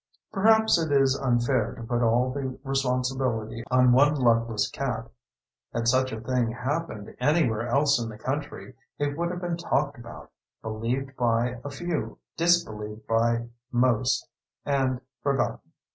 Perhaps it is unfair to put all the responsibility on one luckless cat. Had such a thing happened anywhere else in the country, it would have been talked about, believed by a few, disbelieved by most, and forgotten.